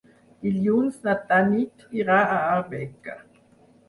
Dilluns na Tanit irà a Arbeca.